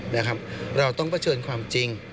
เราต้องเผชิญความจริง